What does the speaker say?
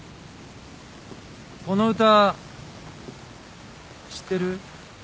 この歌知ってる？